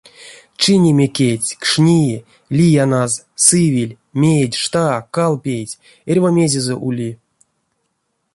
Чинеме кедть, кшни, лияназ, сывель, медь, шта, кал пейть — эрьва мезезэ ули.